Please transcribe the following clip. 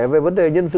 về vấn đề nhân sự